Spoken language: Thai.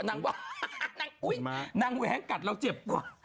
นางแหงกัดเราเจ็บ